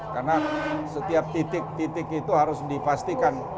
karena setiap titik titik itu harus dipastikan